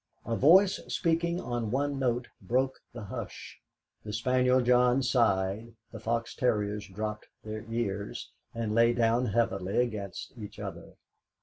A voice speaking on one note broke the hush. The spaniel John sighed, the fox terriers dropped their ears, and lay down heavily against each other.